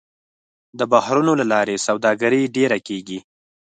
د بحرونو له لارې سوداګري ډېره کېږي.